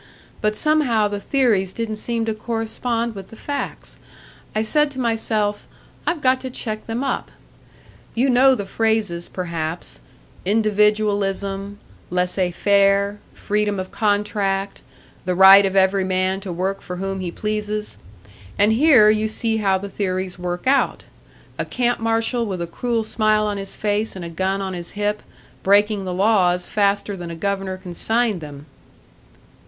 But somehow the theories didn't seem to correspond with the facts. I said to myself, 'I've got to check them up.' You know the phrases, perhaps individualism, laissez faire, freedom of contract, the right of every man to work for whom he pleases. And here you see how the theories work out a camp marshal with a cruel smile on his face and a gun on his hip, breaking the laws faster than a governor can sign them."